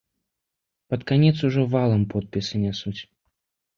Пад канец ужо валам подпісы нясуць!